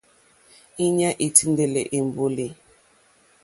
Íɲá î tíndɛ́lɛ́ èmbólì.